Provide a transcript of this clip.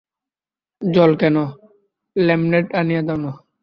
জল কেন, লেমনেড আনিয়ে দাও-না।